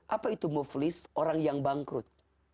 apa itu muflis orang yang bangkrut